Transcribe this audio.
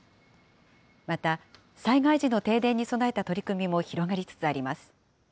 また、災害時の停電に備えた取り組みも広がりつつあります。